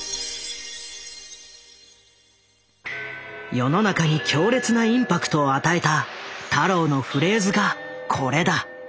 世の中に強烈なインパクトを与えた太郎のフレーズがこれだ。